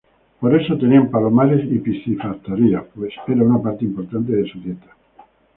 Por eso tenían palomares y piscifactorías pues era una parte importante de su dieta.